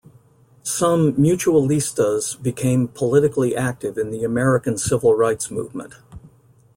Some "mutualistas" became politically active in the American Civil Rights Movement.